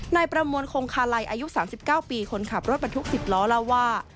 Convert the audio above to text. นายประมวลคงคาลัยอายุ๓๙ปีคนขับรถบรรทุก๑๐ล้อเล่าว่า